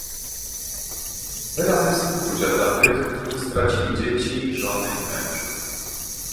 Wyrazy współczucia dla tych, którzy stracili dzieci, żony i mężów